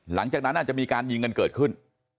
หลังจากนั้นอาจจะมีการยิงกันเกิดขึ้น